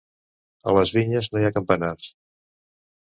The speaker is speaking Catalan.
A les vinyes no hi ha campanars.